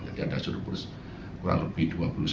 jadi ada surplus kurang lebih dua